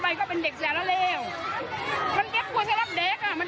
ความโหลสุดท้องแด็กนั้นที่มันถูกแก๊บกอดนั้น